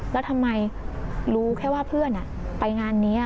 แล้วทำไมรู้แค่ว่าเพื่อนไปงานนี้